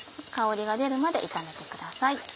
香りが出るまで炒めてください。